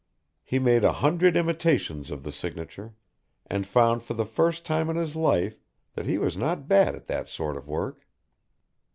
He made a hundred imitations of the signature, and found for the first time in his life that he was not bad at that sort of work.